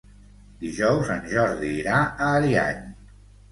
Dijous en Jordi irà a Ariany.